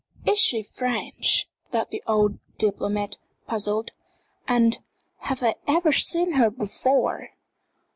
"Is she French?" thought the old diplomat, puzzled. "And have I ever seen her before?"